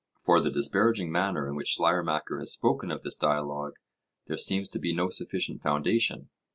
For the disparaging manner in which Schleiermacher has spoken of this dialogue there seems to be no sufficient foundation.